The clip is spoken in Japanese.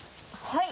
はい！